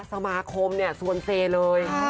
สมาคมเนี่ยชวนเซเลย